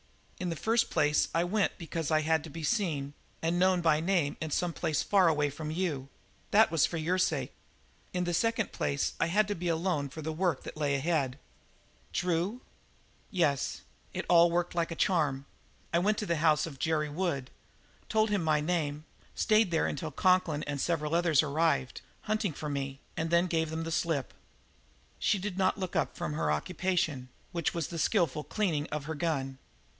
"In the first place I went because I had to be seen and known by name in some place far away from you. That was for your sake. In the second place I had to be alone for the work that lay ahead." "Drew?" "Yes. It all worked like a charm. I went to the house of Jerry Wood, told him my name, stayed there until Conklin and several others arrived, hunting for me, and then gave them the slip." She did not look up from her occupation, which was the skilful cleaning of her gun.